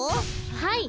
はい。